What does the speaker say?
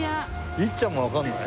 律ちゃんもわかんない？